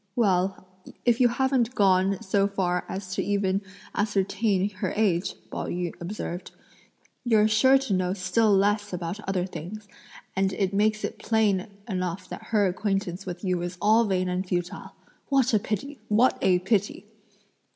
"Well, if you haven't gone so far as to even ascertain her age," Pao yü observed, "you're sure to know still less about other things; and it makes it plain enough that her acquaintance with you is all vain and futile! What a pity! what a pity!"